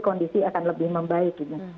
kondisi akan lebih membaik